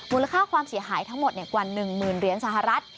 ค่าความเสียหายทั้งหมดกว่า๑หมื่นเหรียญสหรัฐ